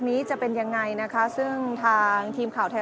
เมื่อเวลาอันดับสุดท้ายเมื่อเวลาอันดับสุดท้าย